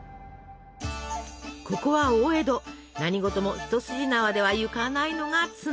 ここは大江戸何事も一筋縄ではいかないのが常。